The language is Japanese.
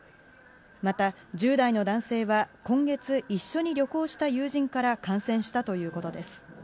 また、１０代の男性は今月、一緒に旅行した友人から感染したということです。